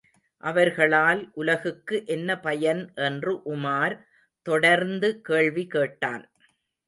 அவர்களால் உலகுக்கு என்ன பயன் என்று உமார் தொடர்ந்து கேள்வி கேட்டான்.